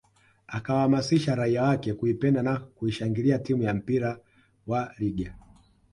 Akawaamasisha raia wake kuipenda na kuishangilia timu ya mpira wa Legger